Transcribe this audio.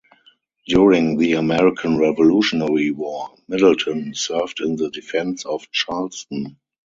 During the American Revolutionary War, Middleton served in the defense of Charleston.